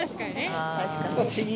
確かに。